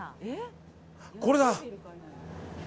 これだ。